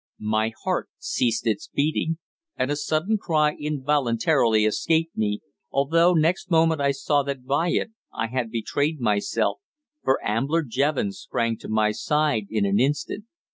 My heart ceased its beating, and a sudden cry involuntarily escaped me, although next moment I saw that by it I had betrayed myself, for Ambler Jevons sprang to my side in an instant.